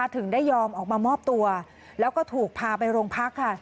ถึงได้ยอมออกมามอบตัวแล้วก็ถูกพาไปโรงพักค่ะ